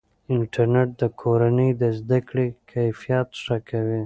انټرنیټ د کورنۍ د زده کړې کیفیت ښه کوي.